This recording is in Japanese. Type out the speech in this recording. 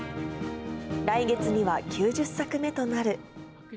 来月には９０作目となる。